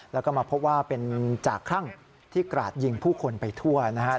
แล้วก็มาพบว่าเป็นจากคลั่งที่กราดยิงผู้คนไปทั่วนะครับ